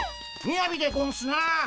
みやびでゴンスな。